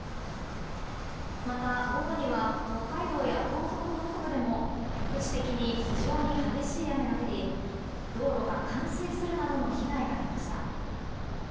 また、午後には北海道や東北北部でも局地的に非常に激しい雨が降り道路が冠水するなどの被害が出ました。